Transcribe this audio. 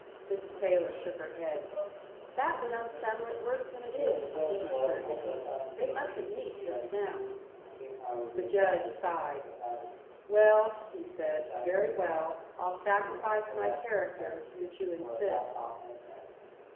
Mrs. Taylor shook her head. "That would unsettle it worse than it is," she assured him. "They mustn't meet just now." The Judge sighed. "Well," he said, "very well. I'll sacrifice my character, since you insist."